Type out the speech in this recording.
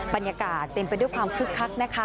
บรรยากาศเต็มไปด้วยความคึกคักนะคะ